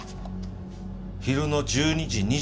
昼の１２時２４分。